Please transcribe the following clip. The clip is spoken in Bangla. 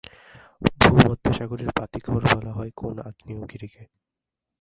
ভূমধ্যসাগরের বাতিঘর বলা হয় কোন আগ্নেয়গিরিকে?